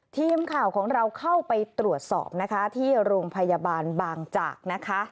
ทีมข่าวของเราเข้าไปตรวจสอบนะคะที่โรงพยาบาลบางจากนะคะ